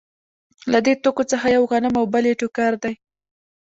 له دې توکو څخه یو غنم او بل یې ټوکر دی